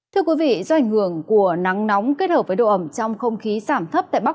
thưa quý vị do ảnh hưởng của nắng nóng kết hợp với độ ẩm trong không khí giảm thấp tại bắc